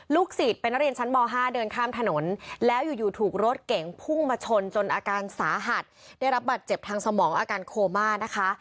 ศิษย์เป็นนักเรียนชั้นม๕เดินข้ามถนนแล้วอยู่ถูกรถเก๋งพุ่งมาชนจนอาการสาหัสได้รับบัตรเจ็บทางสมองอาการโคม่านะคะ